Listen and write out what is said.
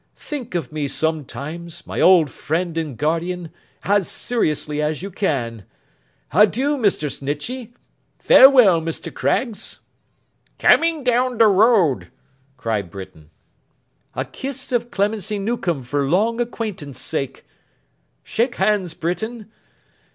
'Think of me sometimes, my old friend and guardian, as seriously as you can! Adieu, Mr. Snitchey! Farewell, Mr. Craggs!' 'Coming down the road!' cried Britain. 'A kiss of Clemency Newcome for long acquaintance' sake! Shake hands, Britain!